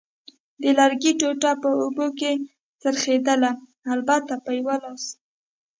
د لرګي ټوټه په اوبو کې څرخېدل، البته په یوه لاس.